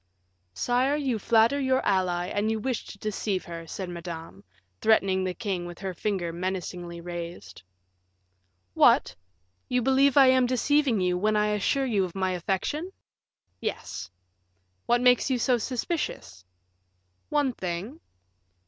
"Sire, you flatter your ally, and you wish to deceive her," said Madame, threatening the king with her finger menacingly raised. "What! you believe I am deceiving you, when I assure you of my affection?" "Yes." "What makes you so suspicious?" "One thing."